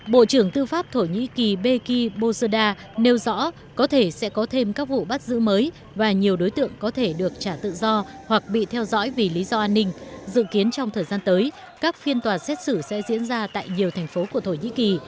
bộ trưởng tư pháp thổ nhĩ kỳ beki bozoda nêu rõ có thể sẽ có thêm các vụ bắt giữ mới và nhiều đối tượng có thể được trả tự do hoặc bị theo dõi vì lý do an ninh dự kiến trong thời gian tới các phiên tòa xét xử sẽ diễn ra tại nhiều thành phố của thổ nhĩ kỳ